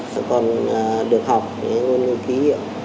các con được học những cái nguồn lưu ký hiệu